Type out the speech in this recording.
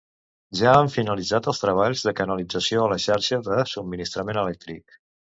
Ja han finalitzat els treballs de canalització a la xarxa de subministrament elèctric.